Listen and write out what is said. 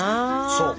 そう！